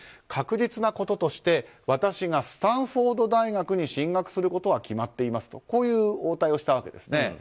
確実なこととして私がスタンフォード大学に進学することは決まっていますという応対をしたわけですね。